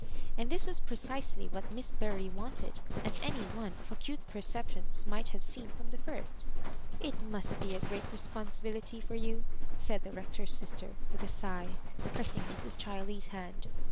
And this was precisely what Miss Bury wanted, as any one of acute perceptions might have seen fi*om the first. "It must be a great responsibility for you." said the Rector's sister, with a agh, pressing Mrs. Chiley's hand.